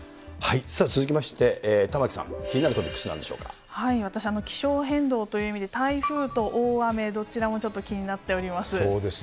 続きまして、玉城さん、気になる私、気象変動という意味で、台風と大雨、どちらもちょっと気になっております。